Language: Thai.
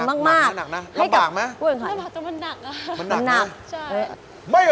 สุดท้าย